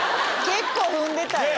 結構踏んでたよ。